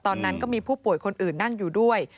ตอนนั้นก็มีผู้ป่วยคนอื่นนั่งอยู่ด้วย